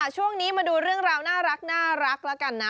ช่วงนี้มาดูเรื่องราวน่ารักแล้วกันนะ